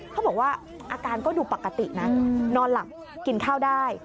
เขาบอกว่าอาการก็ดูปกตินะนอนหลับกินข้าวได้